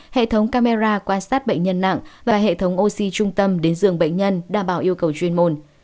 hệ thống camera quan sát bệnh nhân nặng và hệ thống oxy trung tâm đến dường bệnh nhân đảm bảo yêu cầu chuyên môn